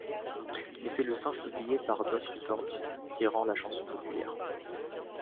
Mais c'est le single publié par Dot Records qui rend la chanson populaire.